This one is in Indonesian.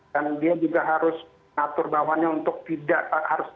dan dia juga harus mengatur bawahnya untuk tidak harus solid